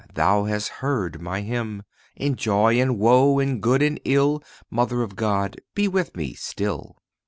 thou hast heard my hymn; In joy and woe—in good and ill— Mother of God, be with me still!